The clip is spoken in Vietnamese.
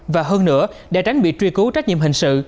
và hơn nữa để tránh bị truy cứu trách nhiệm hình sự